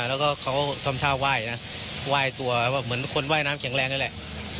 แล้วก็เขาทำท่าไหว้นะไหว้ตัวเหมือนคนว่ายน้ำแข็งแรงนั่นแหละ